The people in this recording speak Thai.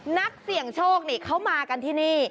นักเสี่ยงโชคนี่เขามากันที่นี่